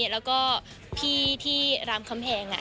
แล้วก็พี่ที่รามคำแหง